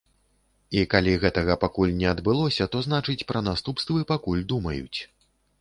І калі гэтага пакуль не адбылося, то значыць, пра наступствы пакуль думаюць.